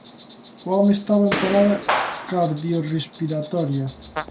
O home estaba en parada cardiorrespiratoria.